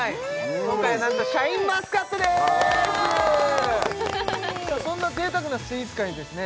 今回なんとシャインマスカットでーすそんな贅沢なスイーツ回にですね